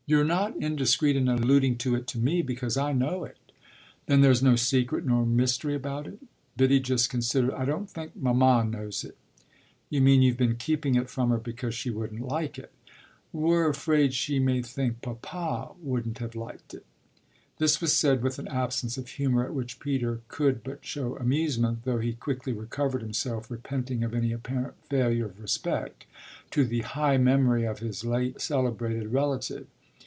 "You're not indiscreet in alluding to it to me, because I know it." "Then there's no secret nor mystery about it?" Biddy just considered. "I don't think mamma knows it." "You mean you've been keeping it from her because she wouldn't like it?" "We're afraid she may think papa wouldn't have liked it." This was said with an absence of humour at which Peter could but show amusement, though he quickly recovered himself, repenting of any apparent failure of respect to the high memory of his late celebrated relative.